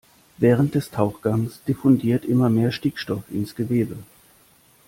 Während des Tauchgangs diffundiert immer mehr Stickstoff ins Gewebe.